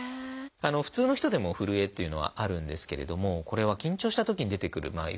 普通の人でもふるえっていうのはあるんですけれどもこれは緊張したときに出てくるふるえとかですね